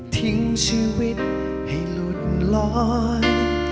ทิ้งชีวิตให้หลุดลอย